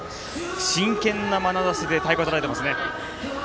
真剣なまなざしで太鼓をたたいていますね。